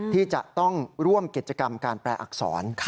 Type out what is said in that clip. ที่จะต้องร่วมกิจกรรมการแปลอักษร